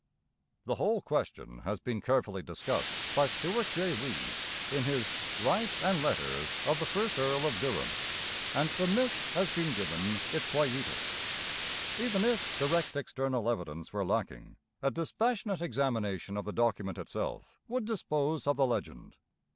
The whole question has been carefully discussed by Stuart J. Reid in his Life and Letters of the First Earl of Durham, and the myth has been given its quietus. Even if direct external evidence were lacking, a dispassionate examination of the document itself would dispose of the legend.